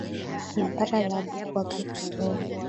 Nimepata dhahabu kwake Mugudha